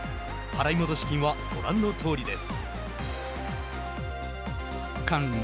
払戻金はご覧のとおりです。